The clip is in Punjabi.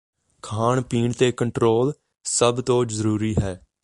ਖਾਣ ਪੀਣ ਤੇ ਕੰਟਰੋਲ ਸਭ ਤੋਂ ਜ਼ਰੂਰੀ ਹੈ